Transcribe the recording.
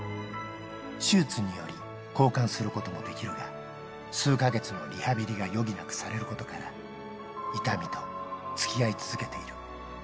手術により交換することもできるが、数か月のリハビリが余儀なくされることから、痛みとつきあい続けている。